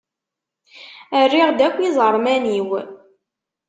Rriɣ-d akk iẓerman-iw.